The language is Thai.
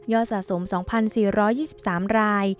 ยอดสะสมสองพันสี่ร้อยยี่สิบสามราย